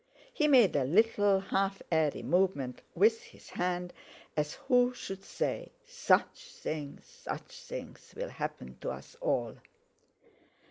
He made a little half airy movement with his hand, as who should say: "Such things—such things will happen to us all!"